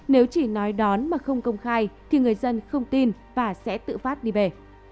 nếu chỉ nói đón mà không công khai thì người dân không tin và sẽ tự phát đi về